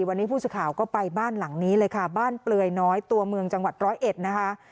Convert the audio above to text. วันนี้ผู้สื่อข่าวก็ไปบ้านหลังนี้เลยค่ะบ้านเปลือยน้อยตัวเมืองจังหวัดร้อยเอ็ดนะคะ